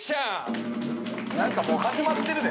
なんかもう始まってるで。